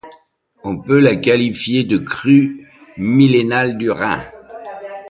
On peut la qualifier de crue millénale du Rhin.